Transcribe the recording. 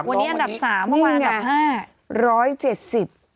วันนี้อันดับ๓เมื่อวานอันดับ๕